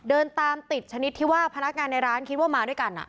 เดินตามติดชนิดที่ว่าพนักงานในร้านคิดว่ามาด้วยกัน